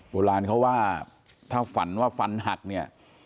โบราณเขาว่าถ้าฝันว่าฟันหักเนี่ย